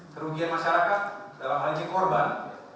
kerugian masyarakat dalam hal ini korban